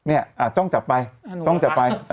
แองจี้ต้องจับไป